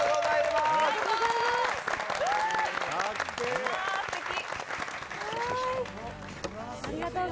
すてき！